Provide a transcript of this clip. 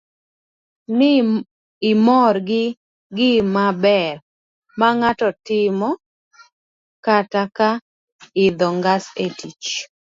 ni imor gi gimaber mang'ato otimo. kata ka idho ngas e tich,